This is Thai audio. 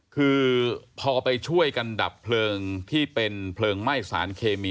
คือพอไปช่วยกันดับเพลิงที่เป็นเพลิงไหม้สารเคมี